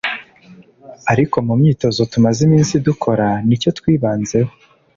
ariko mu myitozo tumaze iminsi dukora nicyo twibanzeho